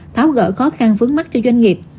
tháo gỡ khó khăn vướng mắt cho doanh nghiệp